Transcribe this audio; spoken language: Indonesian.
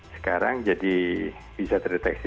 sekarang jadi bisa terdeteksi